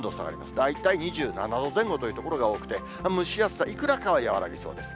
大体２７度前後という所が多くて、蒸し暑さ、いくらかは和らぎそうです。